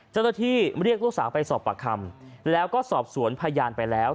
เจ้าหน้าที่เรียกลูกสาวไปสอบปากคำแล้วก็สอบสวนพยานไปแล้ว